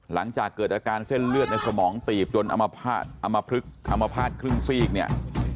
หลังจากเกิดอาการเส้นเลือดในสมองตีบจนอมพลึกอัมพาตครึ่งซีกเนี่ย